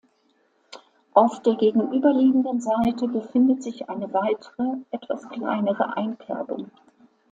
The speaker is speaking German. Auf der gegenüberliegenden Seite befindet sich eine weitere, etwas kleinere Einkerbung.